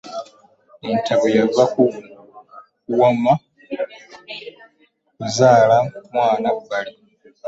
Entabwe yava ku Kawuma kuzaala mwana bbali.